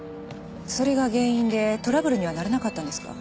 それが原因でトラブルにはならなかったんですか？